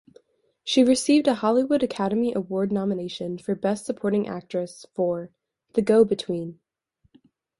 She received a Hollywood Academy Award nomination for Best Supporting Actress for "The Go-Between".